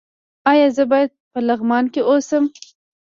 ایا زه باید په لغمان کې اوسم؟